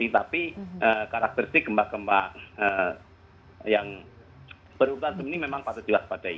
tapi karakteristik gempa gempa yang berubatan ini memang patut diwaspadai